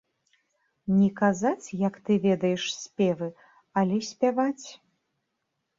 Не казаць, як ты ведаеш спевы, але спяваць.